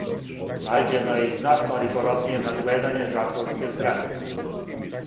Наређено је и знатно ригорозније надгледање затворске зграде.